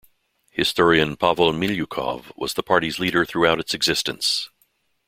Historian Pavel Miliukov was the party's leader throughout its existence.